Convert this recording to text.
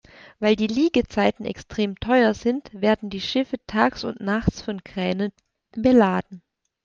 Weil die Liegezeiten extrem teuer sind, werden die Schiffe tags und nachts von Kränen beladen.